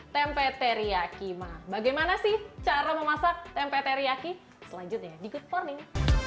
tempe teriyakiman bagaimana sih cara memasak tempe teriyaki selanjutnya di good morning